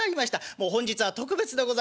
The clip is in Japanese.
もう本日は特別でございまして。